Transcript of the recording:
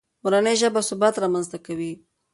مورنۍ ژبه ثبات رامنځته کوي.